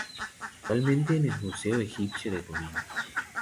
Actualmente en el Museo Egipcio de Turín.